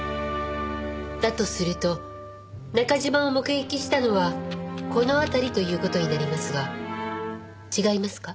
だとすると中嶋を目撃したのはこの辺りという事になりますが違いますか？